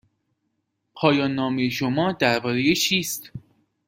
پایان نامه شما درباره چیست؟